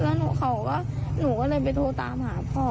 แล้วเขาก็หนูก็เลยไปโทรตามหาพ่อ